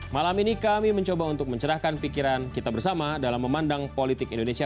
malam ini kami mencoba untuk mencerahkan pikiran kita bersama dalam memandang politik indonesia